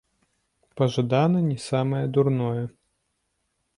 Пажадана не самае дурное.